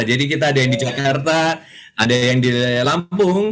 jadi kita ada yang di jakarta ada yang di lampung